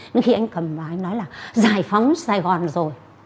nhưng khi anh cầm và anh nói là giải phóng sài gòn rồi